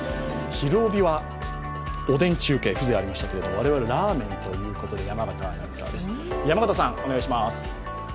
「ひるおび！」はおでん中継、風情ありましたけども我々はラーメンということで山形アナウンサー。